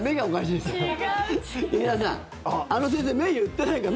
劇団さんあの先生、目、言ってないから。